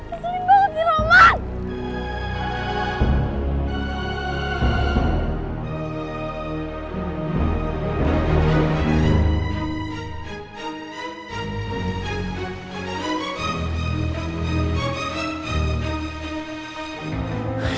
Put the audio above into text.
keselin banget sih roman